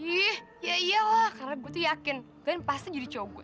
iya iya lah karena gue tuh yakin glenn pasti jadi cowok gue